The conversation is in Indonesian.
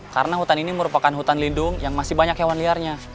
karena hutan ini merupakan hutan lindung yang masih banyak hewan liarnya